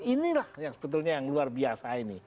inilah yang sebetulnya yang luar biasa ini